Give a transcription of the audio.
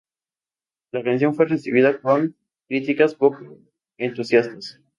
La canción fue recibida con críticas poco entusiastas.